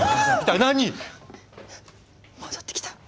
何⁉戻ってきた。